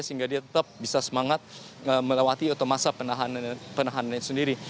sehingga dia tetap bisa semangat melewati masa penahanannya sendiri